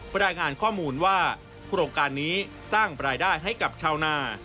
รายงานข้อมูลว่าโครงการนี้สร้างรายได้ให้กับชาวนา